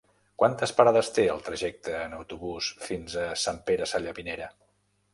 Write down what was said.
Quantes parades té el trajecte en autobús fins a Sant Pere Sallavinera?